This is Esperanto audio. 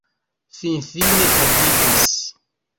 Finfine tagigis!